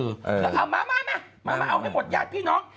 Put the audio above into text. เอามาเอาให้หมดอย่างพี่น้อง